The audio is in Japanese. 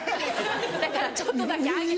だからちょっとだけ上げて。